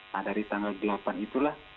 nah dari tanggal delapan itulah